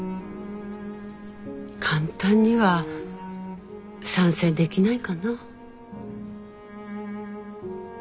簡単には賛成できないかな。